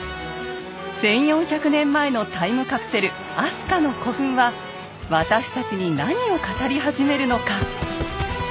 １，４００年前のタイムカプセル飛鳥の古墳は私たちに何を語り始めるのか。